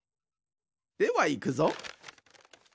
ではいくぞ。